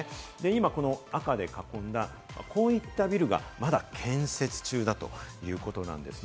今この赤で囲んだ、こういったビルがまだ建設中だということなんですね。